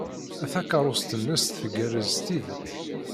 Takeṛṛust-nnes tgerrez s tidet.